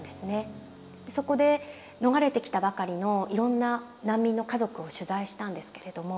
そこで逃れてきたばかりのいろんな難民の家族を取材したんですけれども。